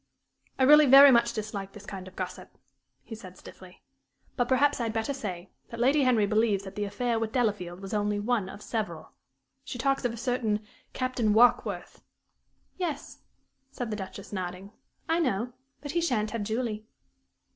"I really very much dislike this kind of gossip," he said, stiffly, "but perhaps I had better say that Lady Henry believes that the affair with Delafield was only one of several. She talks of a certain Captain Warkworth " "Yes," said the Duchess, nodding. "I know; but he sha'n't have Julie."